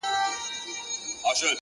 o خو ستا به زه اوس هيڅ په ياد كي نه يم؛